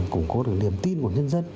củng cố được niềm tin của nhân dân